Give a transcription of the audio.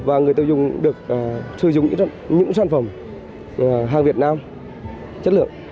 và người tiêu dùng được sử dụng những sản phẩm hàng việt nam chất lượng